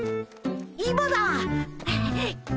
今だ！